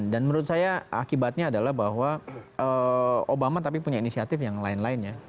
dan menurut saya akibatnya adalah bahwa obama tapi punya inisiatif yang lain lainnya